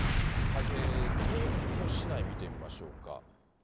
京都市内、見てみましょうか。